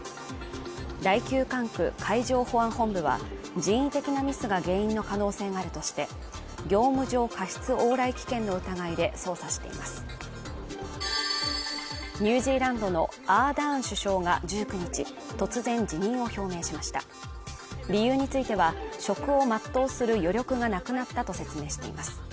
第９管区海上保安本部は人為的なミスが原因の可能性があるとして業務上過失往来危険の疑いで捜査していますニュージーランドのアーダーン首相が１９日突然辞任を表明しました理由については職を全うする余力がなくなったと説明しています